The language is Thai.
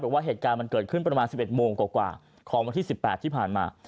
ว่าเหตุการณ์มันเกิดขึ้นประมาณ๑๑โมงกว่าของวันที่๑๘ที่ผ่านมา